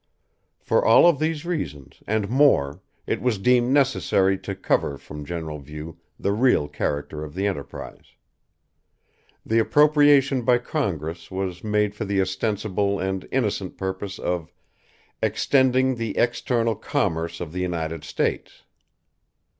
For all of these reasons, and more, it was deemed necessary to cover from general view the real character of the enterprise. The appropriation by Congress was made for the ostensible and innocent purpose of "extending the external commerce of the United States."